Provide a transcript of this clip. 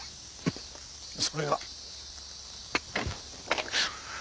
それが。